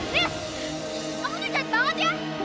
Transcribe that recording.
riz kamu tuh jahat banget ya